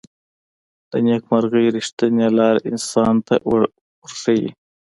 د نیکمرغۍ ریښتینې لاره انسان ته ورښيي.